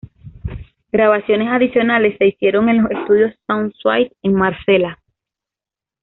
Grabaciones adicionales se hicieron en los estudios Sound Suite en Marsella.